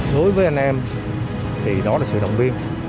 đối với anh em thì đó là sự động viên